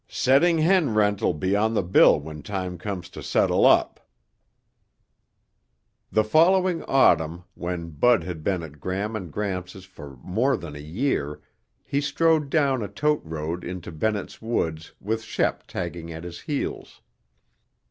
"Setting hen rent'll be on the bill when time comes to settle up." The following autumn, when Bud had been at Gram and Gramps' for more than a year, he strode down a tote road into Bennett's Woods with Shep tagging at his heels.